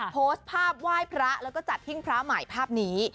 โพสต์ภาพไหว้พระแล้วก็จัดหิ้งพระใหม่ภาพนี้